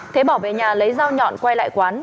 thế bỏ về nhà lấy dao nhọn quay lại quán